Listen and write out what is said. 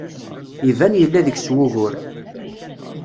Iban yella deg-s wugur.